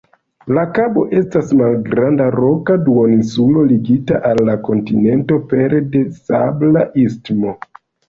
La kabo estas malgranda roka duoninsulo ligita al la kontinento pere de sabla istmo.